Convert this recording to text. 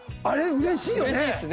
うれしいですね。